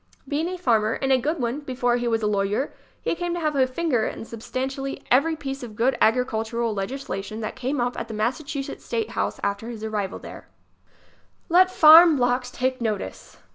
Being a farmer ŌĆö and a good one ŌĆö before he was a lawyer, he came to have a finger in substantially every piece of good agricultural legislation that came up at the Massachusetts State House after his arrival there. [ 17 ]& HAVE FAITH IN COOLIDGE! j┬¦> m ┬Ż3 Let farm "blocs" take notice.